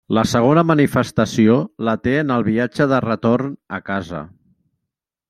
La segona manifestació la té en el viatge de retorn a casa.